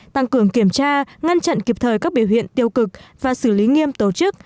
tăng cường kiểm tra ngăn chặn kịp thời các biểu hiện tiêu cực và xử lý nghiêm tổ chức